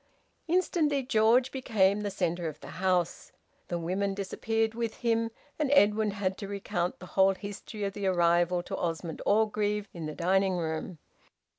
Instantly George became the centre of the house. The women disappeared with him, and Edwin had to recount the whole history of the arrival to Osmond Orgreave in the drawing room.